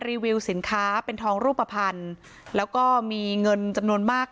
รีวิวสินค้าเป็นทองรูปภัณฑ์แล้วก็มีเงินจำนวนมาก